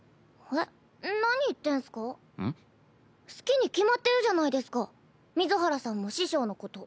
好きに決まってるじゃないですか水原さんも師匠のこと。